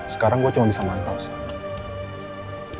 sekarang gue cuma bisa mantau sih